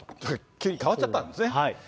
急に変わっちゃったんですね。